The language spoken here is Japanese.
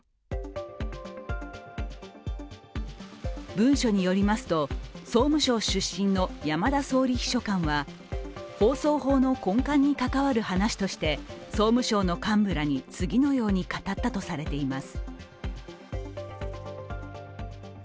文書によりますと、総務省出身の山田総理秘書官は放送法の根幹に関わる話として総務省の幹部らに次のように語ったとされています。